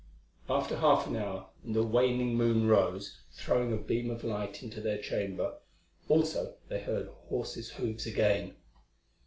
Another half hour and the waning moon rose, throwing a beam of light into their chamber; also they heard horse's hoofs again.